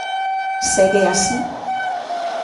Segue así?